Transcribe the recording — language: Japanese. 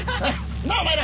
なっお前ら！